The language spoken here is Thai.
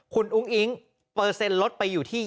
คุณอุ้งอิ๊งเปอร์เซ็นต์ลดไปอยู่ที่